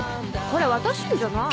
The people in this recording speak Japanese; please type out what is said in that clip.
これ私のじゃない！